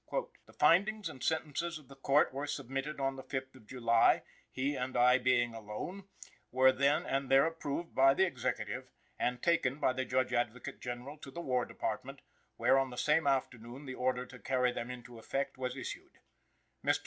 "The findings and sentences of the court were submitted on the 5th of July (he and I being alone), were then and there approved by the Executive, and taken by the Judge Advocate General to the War Department, where on the same afternoon the order to carry them into effect was issued. Mr.